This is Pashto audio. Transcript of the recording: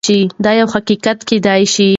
دا يو حقيقت کيدای شي.